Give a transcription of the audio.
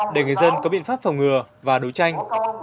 để người dân có biện pháp phòng ngừa và đấu tranh